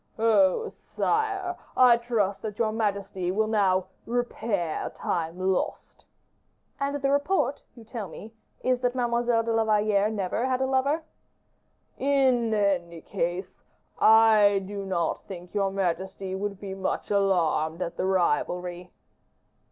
"Oh, sire! I trust that your majesty will now repair time lost." "And the report you tell me is, that Mademoiselle de la Valliere never had a lover." "In any case, I do not think your majesty would be much alarmed at the rivalry."